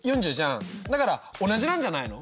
だから同じなんじゃないの？